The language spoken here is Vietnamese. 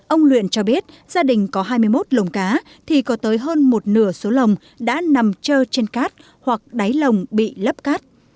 ông luyện cho biết gia đình có hai mươi một lồng cá thì có tới hơn một nửa số lồng đã nằm trơ trên cát hoặc đáy lồng bị lấp cát